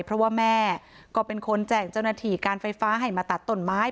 เพราะว่าแม่ก็เป็นคนแจ้งเจ้าหน้าที่การไฟฟ้าให้มาตัดต้นไม้